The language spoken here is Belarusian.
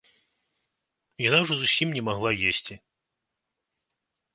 Яна ўжо зусім не магла есці.